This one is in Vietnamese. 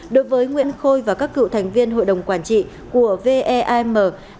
đối với nguyễn khôi và các cựu thành viên hội đồng quản trị của vem